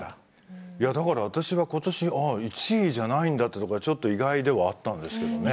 いやだから私は今年ああ１位じゃないんだってとこがちょっと意外ではあったんですけどね。